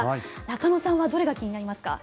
中野さんはどれが気になりますか？